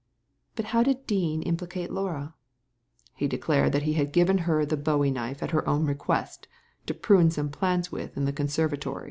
" But how did Dean implicate Laura ?" •He declared that he had given her the bowie knife at her own request to prune some plants with in the conservatory."